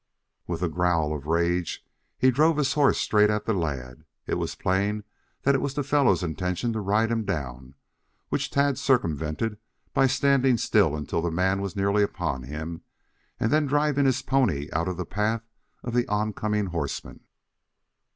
With a growl of rage he drove his horse straight at the lad. It was plain that it was the fellow's intention to ride him down, which Tad circumvented by standing still until the man was nearly upon him, and then driving his pony out of the path of the oncoming horseman.